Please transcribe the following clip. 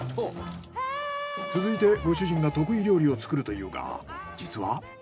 続いてご主人が得意料理を作るというが実は。